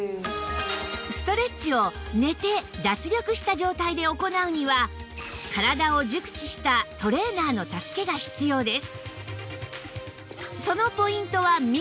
ストレッチを寝て脱力した状態で行うには体を熟知したトレーナーの助けが必要です